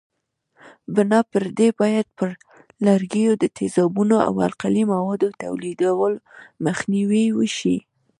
بنا پر دې باید پر لرګیو د تیزابونو او القلي موادو توېدلو مخنیوی وشي.